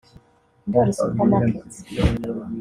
Ndoli Supermarkets